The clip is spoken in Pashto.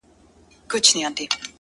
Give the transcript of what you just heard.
قربان د ډار له کيفيته چي رسوا يې کړم!!